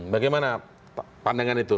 bagaimana pandangan itu